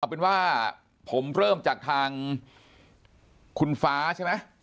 ผมเริ่มจากทางคุณฟ้าใช่ไหม